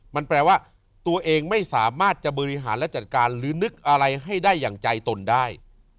มันแปลว่าตัวเองไม่สามารถจะบริหารและจัดการหรือนึกอะไรให้ได้อย่างใจตนได้